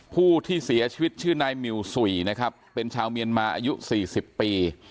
ผู้ที่เสียชีวิตชื่อนายหมิวสุยนะครับเป็นชาวเมียนมาอายุ๔๐ปี